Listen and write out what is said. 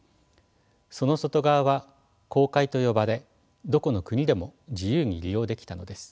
その外側は公海と呼ばれどこの国でも自由に利用できたのです。